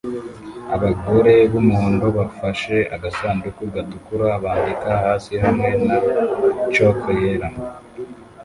Abagore b'umuhondo bafashe agasanduku gatukura bandika hasi hamwe na chalk yera